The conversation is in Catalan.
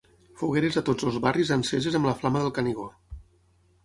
Fogueres a tots els barris enceses amb la Flama del Canigó.